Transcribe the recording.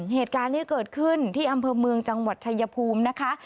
เหตุการณ์นี้เกิดขึ้นที่อำเภอเมืองจังหวัดชายภูมินะคะ